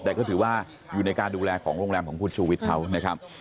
แต่ก็ถือว่าอยู่ในการดูแลของโรงแรมของคุณชูวิทย์เขานะครับ